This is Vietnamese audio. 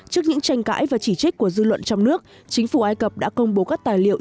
trước những tranh cãi và chỉ trích của dư luận trong nước chính phủ ai cập đã công bố các tài liệu